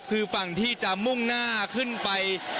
คือฝั่งที่จะมุ่งหน้าขึ้นไป